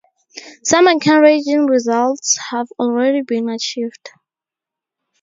Some encouraging results have already been achieved.